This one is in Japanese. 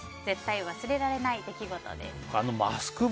絶対忘れられない出来事です。